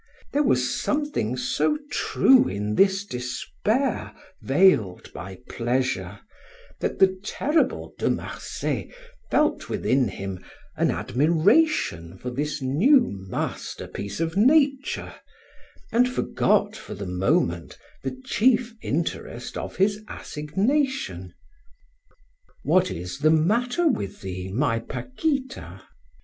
There was something so true in this despair veiled by pleasure, that the terrible De Marsay felt within him an admiration for this new masterpiece of nature, and forgot, for the moment, the chief interest of his assignation. "What is the matter with thee, my Paquita?"